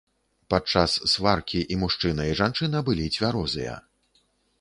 Падчас сваркі і мужчына, і жанчына былі цвярозыя.